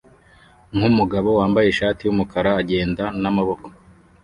nkumugabo wambaye ishati yumukara agenda n'amaboko